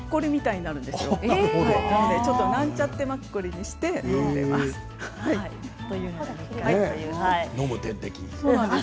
なんちゃってマッコリにしています。